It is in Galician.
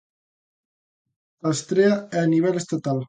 A estrea é a nivel estatal.